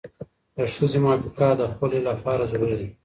د ښځې موافقه د خلع لپاره ضروري ده.